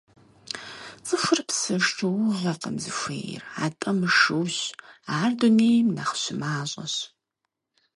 ЦӀыхур псы шыугъэкъым зыхуейр, атӀэ мышыущ, ар дунейм нэхъ щымащӀэщ.